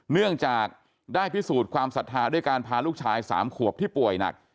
เนื่องจากได้พิสูจน์ความศรัทธาด้วยการพาลูกชาย๓ขวบที่ป่วยหนัก